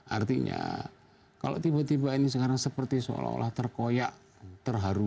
artinya kalau tiba tiba ini sekarang seperti seolah olah terkoyak terharu